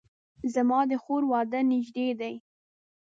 زما د خور واده نږدې ده